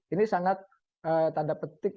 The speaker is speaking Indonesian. ini sangat tanda petik